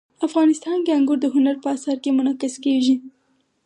افغانستان کې انګور د هنر په اثار کې منعکس کېږي.